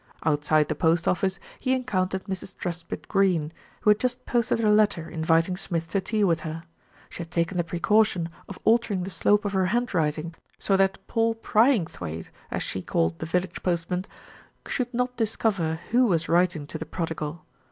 Outside the post office, he encountered Mrs. Trus pitt Greene, who had just posted her letter inviting Smith to tea with her. She had taken the precaution of altering the slope of her handwriting, so that "Paul Pryingthwaighte," as she called the village postman, should not discover who was writing to the prodigal.